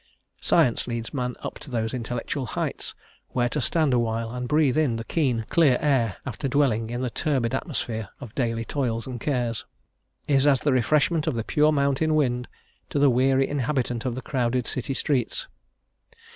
Science leads man up to those intellectual heights where to stand awhile and breathe in the keen, clear air after dwelling in the turbid atmosphere of daily toils and cares, is as the refreshment of the pure mountain wind to the weary inhabitant of the crowded city streets..